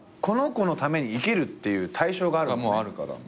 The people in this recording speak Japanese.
この子のために生きるっていう対象があるもんね。